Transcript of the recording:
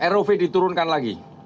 rov diturunkan lagi